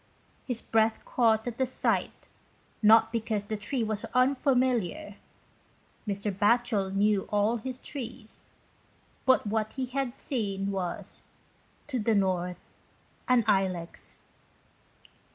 His breath caught at the sight. Not because the tree was unfamiliar. Mr. Batchel knew all his trees. But what he had seen was " to the north, an Ilex."